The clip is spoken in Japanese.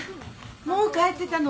もう帰ってたの？